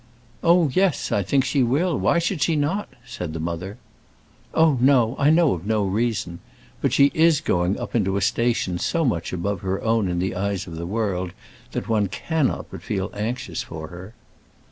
"Oh, yes; I think she will. Why should she not?" said the mother. "Oh, no; I know of no reason. But she is going up into a station so much above her own in the eyes of the world that one cannot but feel anxious for her."